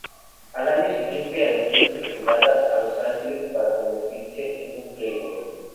Al año siguiente anunció su retirada a Los Ángeles para convertirse en un playboy.